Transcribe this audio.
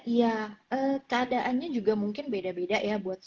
iya keadaannya juga mungkin beda beda ya